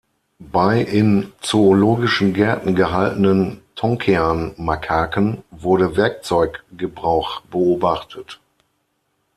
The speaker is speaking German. Bei in zoologischen Gärten gehaltenen Tonkean-Makaken wurde Werkzeuggebrauch beobachtet.